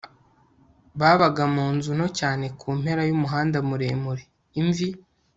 babaga munzu nto cyane kumpera yumuhanda muremure, imvi